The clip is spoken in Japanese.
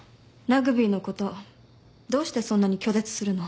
ラグビーのことどうしてそんなに拒絶するの？